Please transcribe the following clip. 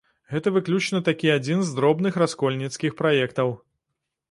Гэта выключна такі адзін з дробных раскольніцкіх праектаў.